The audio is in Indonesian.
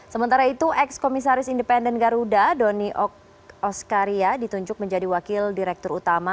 sementara itu ex komisaris independen garuda doni oskaria ditunjuk menjadi wakil direktur utama